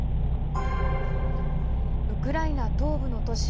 ウクライナ東部の都市